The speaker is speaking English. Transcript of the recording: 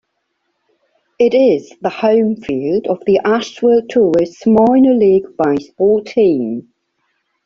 It is the home field of the Asheville Tourists minor league baseball team.